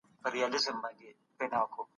د پښتو فطرت مي دومره اسلامې دی